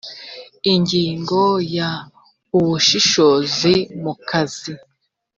ingingo ya ubushishozi mu kazi